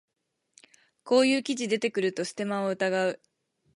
こういう記事出てくるとステマを疑う